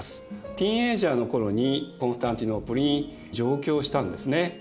ティーンエージャーの頃にコンスタンティノープルに上京したんですね。